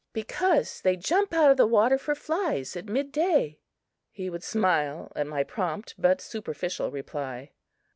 "Because they jump out of the water for flies at mid day." He would smile at my prompt but superficial reply.